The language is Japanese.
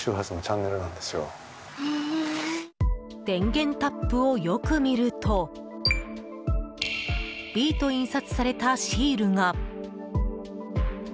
電源タップをよく見ると「Ｂ」と印刷されたシールが。